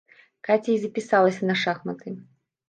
Каця і запісалася на шахматы.